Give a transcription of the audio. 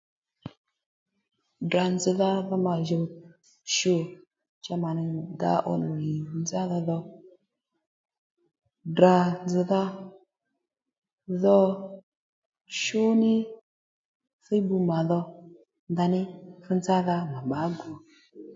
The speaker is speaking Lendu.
Ddrà nzz̀dha dho mà dùw shù cha mà nì dǎ ǒ nó nì nzádha dho Ddrà nzz̀dha dho shú ní thíy bbu màdho ndaní nzadha mà bbǎ gu